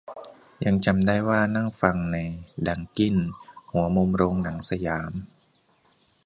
ยังจำได้ว่านั่งฟังในดังกิ้น หัวมุมโรงหนังสยาม